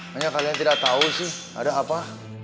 hanya kalian tidak tahu sih ada apa